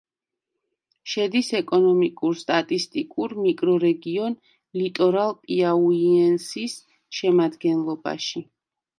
შედის ეკონომიკურ-სტატისტიკურ მიკრორეგიონ ლიტორალ-პიაუიენსის შემადგენლობაში.